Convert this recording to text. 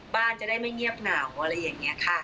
จะได้ไม่เงียบเหงาอะไรอย่างนี้ค่ะ